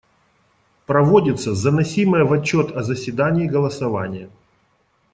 Проводится заносимое в отчет о заседании голосование.